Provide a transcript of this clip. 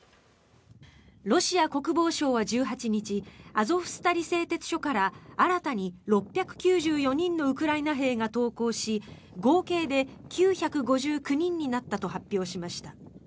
ロシア国防省は１８日アゾフスタリ製鉄所から新たに６９４人のウクライナ兵が投降し合計で９５９人になったと発表しました。